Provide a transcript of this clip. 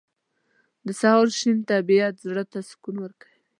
• د سهار شین طبیعت زړه ته سکون ورکوي.